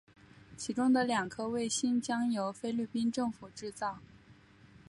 其中的两颗卫星将由菲律宾政府制造。